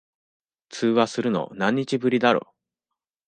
通話するの、何日ぶりだろ。